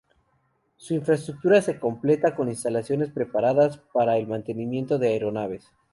Su infraestructura se completa, con instalaciones preparadas para el mantenimiento de aeronaves.